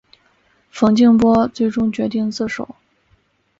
冯静波最终决定自首。